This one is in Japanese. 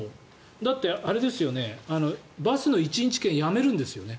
だって、バスの１日券をやめるんですよね。